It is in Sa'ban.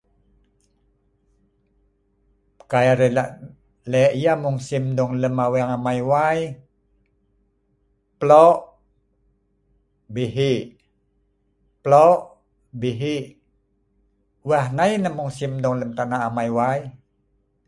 Kai arai lak le’ yeh musim lem aweng amai wai, plo’o bihii’. Plo’o bihii’ weh nai nah musim dong lem tana amai wai